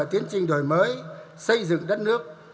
tiến trình đổi mới xây dựng đất nước